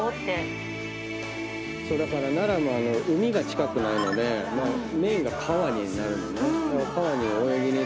だから奈良も海が近くないのでメインが川になるのよね。